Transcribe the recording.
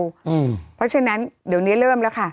เพราะฉะนั้นเดี๋ยวนี้เริ่มแล้วค่ะ